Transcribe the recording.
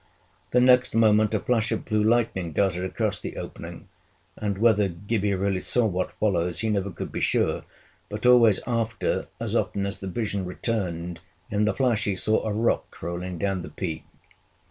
The next moment a flash of blue lightning darted across the opening, and whether Gibbie really saw what follows, he never could be sure, but always after, as often as the vision returned, in the flash he saw a rock rolling down the peak.